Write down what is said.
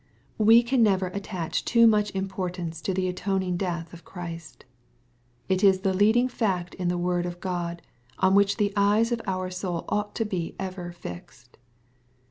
We can never attach too much importance to the atoning death of Christ. It is the leading fact in the word of God, on which the eyes of our soul ought to be ever fixed.